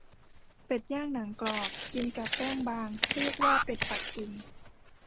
เป็ดย่างหนังกรอบ กินกับแป้งบาง เรียกว่าเป็ดปักกิ่ง